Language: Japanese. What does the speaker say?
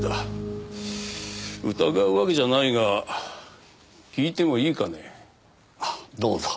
疑うわけじゃないが訊いてもいいかね？はどうぞ。